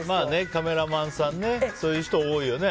カメラマンさんねそういう人多いよね。